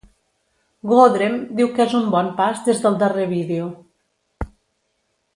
Goodrem diu que és un bon pas des del darrer vídeo.